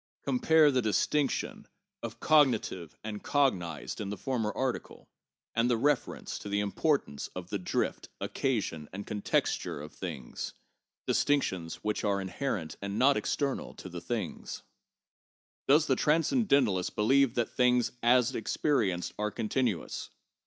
Compare the distinction of cognitive and cognized PSYCHOLOGY AND SCIENTIFIC METHODS 599 in the former article, and the reference to the importance of the 'drift, occasion and contexture' of thingsŌĆö distinctions which are inherent and not external to the things. Does the transcendentalist believe that things as experienced are continuous?